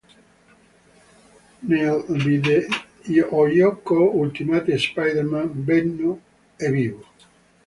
Nel videogioco "Ultimate Spider-Man" Venom è vivo.